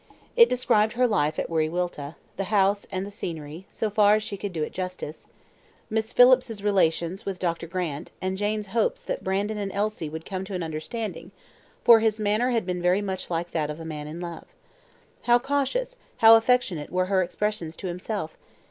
It described her life at Wiriwilta, the house, and the scenery, so far as she could do it justice; Miss Phillips's relations with Dr. Grant, and Jane's hopes that Brandon and Elsie would come to an understanding, for his manner had been very much like that of a man in love. How cautious, yet how affectionate were her expressions to himself!